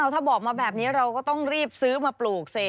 ถ้าบอกมาแบบนี้เราก็ต้องรีบซื้อมาปลูกสิ